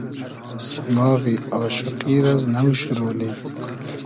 سئماغی آشوقی رئز نۆ شورۉ نی